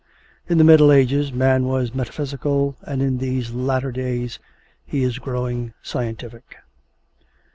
In the Middle Ages man was metaphysical, and in these latter days he is growing scientific.